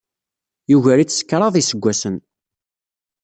Yugar-itt s kraḍ n yiseggasen.